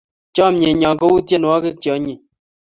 Chamyenyo ko u tienwogik che anyiny